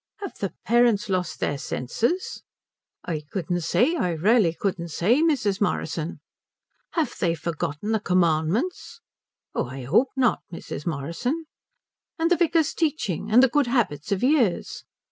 "Have the parents lost their senses?" "I couldn't say I really couldn't say, Mrs. Morrison." "Have they forgotten the commandments?" "Oh I 'ope not, Mrs. Morrison." "And the vicar's teaching? And the good habits of years?"